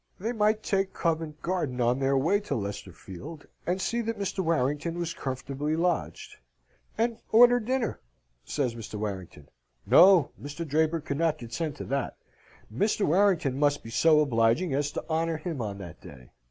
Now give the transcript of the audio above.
They might take Covent Garden on their way to Leicester Field, and see that Mr. Warrington was comfortably lodged. "And order dinner," says Mr. Warrington. No, Mr. Draper could not consent to that. Mr. Warrington must be so obliging as to honour him on that day.